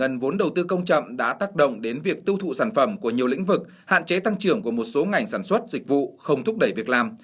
các nguồn đầu tư công chậm đã tác động đến việc tiêu thụ sản phẩm của nhiều lĩnh vực hạn chế tăng trưởng của một số ngành sản xuất dịch vụ không thúc đẩy việc làm